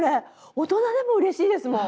大人でもうれしいですもん。